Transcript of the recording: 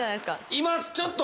今ちょっと？